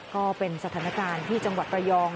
ก็เป็นสถานการณ์ที่จังหวัดระยอง